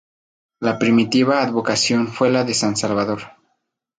Su primitiva advocación fue la de San Salvador.